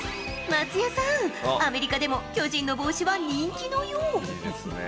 松也さん、アメリカでも巨人の帽子は人気のよう。